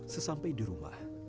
sesampai di rumah